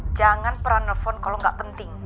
jangan pernah nelfon kalau gak penting